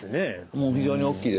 もう非常に大きいです。